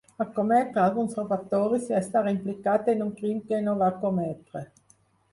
Va cometre alguns robatoris i va estar implicat en un crim que no va cometre.